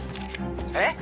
え？